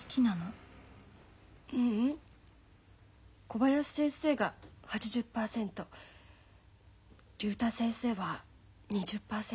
ううん小林先生が８０％竜太先生は２０％。